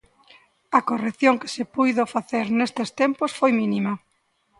A corrección que se puido facer nestes tempos foi mínima.